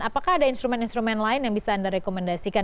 apakah ada instrumen instrumen lain yang bisa anda rekomendasikan